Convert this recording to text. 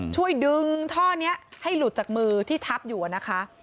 ช่วยดึงท่อนี้ให้หลุดจากมือที่ทับอยู่นะคะ